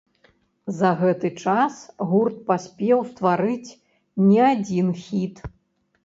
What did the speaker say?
За гэты час гурт паспеў стварыць не адзін хіт.